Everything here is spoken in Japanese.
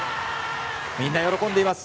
みんな喜んでいます。